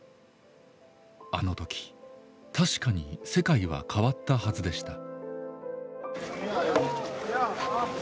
あの時確かに世界は変わったはずでした。